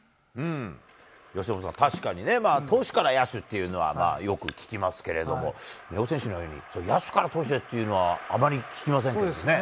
由伸さん、確かにね、投手から野手というのはよく聞きますけれども、根尾選手のように野手から投手っていうのは、そうですね。